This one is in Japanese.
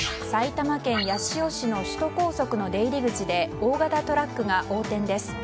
埼玉県八潮市の首都高速の出入り口で大型トラックが横転です。